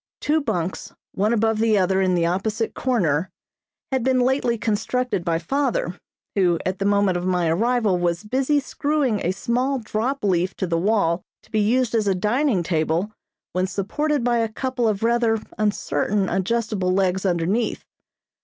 Two bunks, one above the other in the opposite corner, had been lately constructed by father, who at the moment of my arrival was busy screwing a small drop leaf to the wall to be used as a dining table when supported by a couple of rather uncertain adjustable legs underneath.